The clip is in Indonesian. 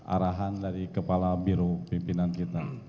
arahan dari kepala biro pimpinan kita